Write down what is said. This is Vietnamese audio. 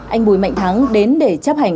anh bùi mạnh thắng đến để chấp hành